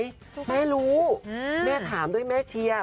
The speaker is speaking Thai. แม่รู้แม่ถามด้วยแม่เชียร์